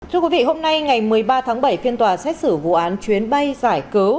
thưa quý vị hôm nay ngày một mươi ba tháng bảy phiên tòa xét xử vụ án chuyến bay giải cứu